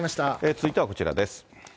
続いてはこちらです。